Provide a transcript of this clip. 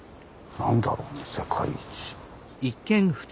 何だろうね世界一。